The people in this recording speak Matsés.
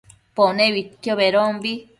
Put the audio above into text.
Pone uidquio bedombi